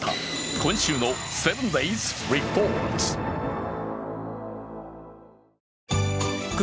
今週の「７ｄａｙｓリポート」。